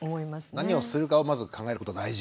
何をするかをまず考えることが大事。